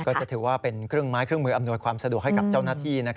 ก็จะถือว่าเป็นเครื่องไม้เครื่องมืออำนวยความสะดวกให้กับเจ้าหน้าที่